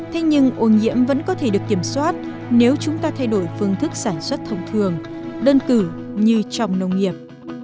thế nhưng ô nhiễm vẫn có thể được kiểm soát nếu chúng ta thay đổi phương thức sản xuất thông thường đơn cử như trong nông nghiệp